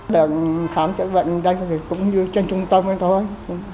đường khám chất bệnh đây cũng như trên trung tâm thôi